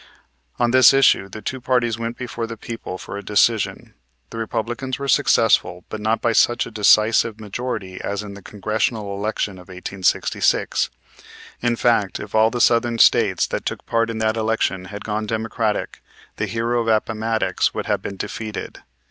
On this issue the two parties went before the people for a decision. The Republicans were successful, but not by such a decisive majority as in the Congressional election of 1866. In fact, if all the Southern States that took part in that election had gone Democratic, the hero of Appomattox would have been defeated.